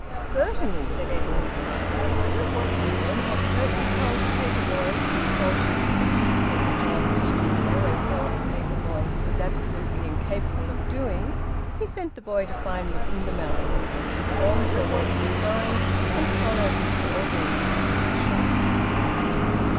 "Certainly," said Edwin, excited. And when he had curtly told the paper boy to do portions of the newspaper job which he had always held the paper boy was absolutely incapable of doing, he sent the boy to find Miss Ingamells, informed her where he was going, and followed Mr Orgreave out of the shop.